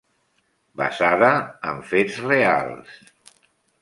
Basada en fets reals.